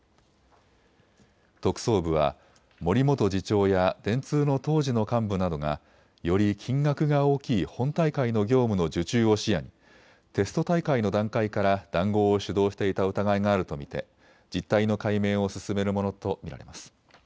特捜部は森元次長や電通の当時の幹部などが、より金額が大きい本大会の業務の受注を視野にテスト大会の段階から談合を主導していた疑いがあると見て実態の解明を進めるものと見られます。